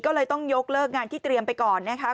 ก็เลยต้องยกเลิกงานที่เตรียมไปก่อนนะคะ